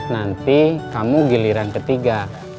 nanti kamu giliran ketiga